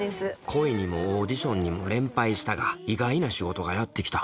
恋にもオーディションにも連敗したが意外な仕事がやって来た